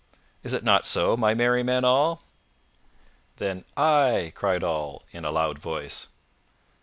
Is it not so, my merry men all?" Then "Ay!" cried all, in a loud voice.